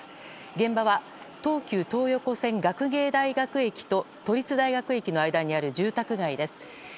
現場は東急東横線学芸大学駅と都立大学駅の間にある住宅街です。